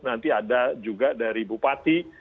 nanti ada juga dari bupati